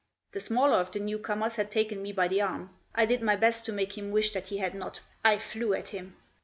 The smaller of the newcomers had taken me by the arm. I did my best to make him wish that he had not. I flew at him.